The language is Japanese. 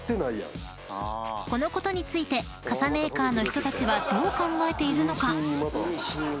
［このことについて傘メーカーの人たちはどう考えているのか？］